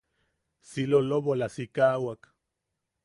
Si lolobola sikaʼawak.